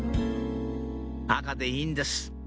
赤でいいんです